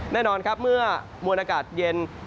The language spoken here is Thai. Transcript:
แน่นอนครับเมื่อมวลอากาศเย็น